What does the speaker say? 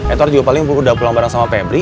etor juga paling buruk udah pulang bareng sama febri